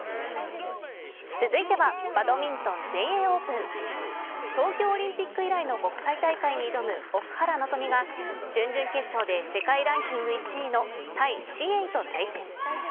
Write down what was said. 続いではバドミントン全英オープン東京オリンピック以来の国際大会に挑む奥原希望が準々決勝で世界ランキング１位のタイの選手と対戦。